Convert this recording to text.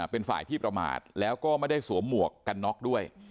เป็นฝ่ายที่ประมาทแล้วก็ไม่ได้สวมหมวกกันน็อกด้วย